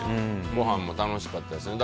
ごはんも楽しかったですよね。